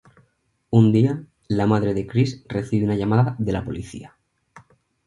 Un día, la madre de Chris recibe una llamada de la policía.